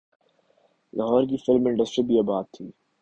لاہور کی film industry بھی آباد تھی۔